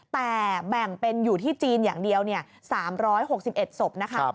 แต่แบ่งเป็นอยู่ที่จีนอย่างเดียว๓๖๑ศพนะคะ